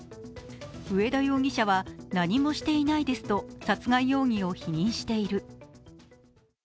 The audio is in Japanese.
上田容疑者は何もしていないですと、殺害容疑を否認している。